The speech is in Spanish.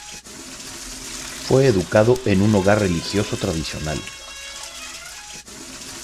Fue educado en un hogar religioso tradicional.